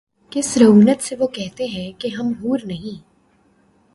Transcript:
کس رعونت سے وہ کہتے ہیں کہ ’’ ہم حور نہیں ‘‘